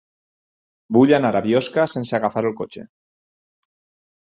Vull anar a Biosca sense agafar el cotxe.